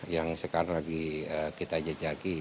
yang sekarang lagi kita jejaki